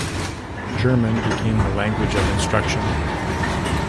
German became the language of instruction.